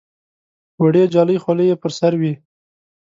وړې جالۍ خولۍ یې پر سر وې.